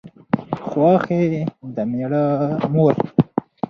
خواښې د مېړه مور